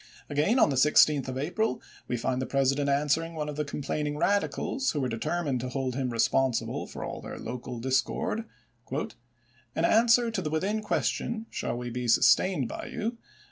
Again, on the 16th of April, we find the President answering one of the complaining Rad icals, who were determined to hold him responsible for all their local discord: "In answer to the within question, ' Shall we be sustained by you